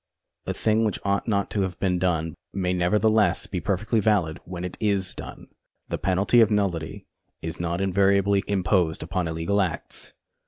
5 Co. Rep. 38. A thing which ought not to have been done may nevertheless be perfectly valid when it is done. The penalty of nullity is not invariably imposed upon illegal acts.